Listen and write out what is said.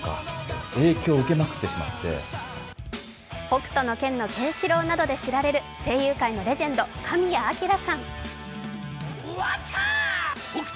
「北斗の拳」のケンシロウなどで知られる声優界のレジェンド・神谷明さん。